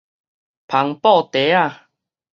帆布袋仔